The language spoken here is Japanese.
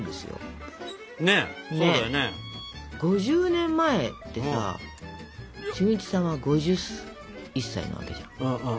５０年前ってさ俊一さんは５１歳なわけじゃん。